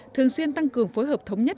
thường xuyên tăng cường phối hợp thống nhất